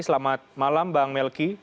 selamat malam bang melki